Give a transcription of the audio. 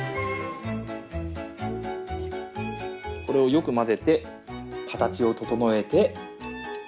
これをよく混ぜて形を整えて。